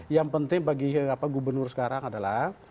yang penting bagi gubernur sekarang adalah